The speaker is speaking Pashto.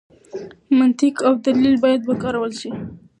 منطق او دلیل باید وکارول شي.